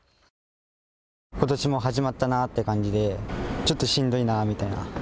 ことしも始まったなって感じでちょっと、しんどいなみたいな。